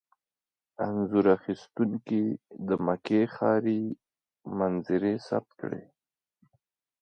انځور اخیستونکي د مکې ښاري منظرې ثبت کړي.